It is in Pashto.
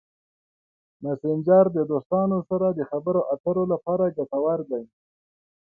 مسېنجر د دوستانو سره د خبرو اترو لپاره ګټور دی.